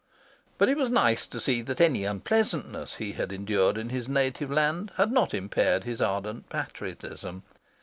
But it was nice to see that any unpleasantness he had endured in his native land had not impaired his ardent patriotism.